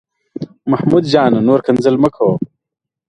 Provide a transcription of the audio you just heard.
محمود جانه، نور کنځل مه کوه.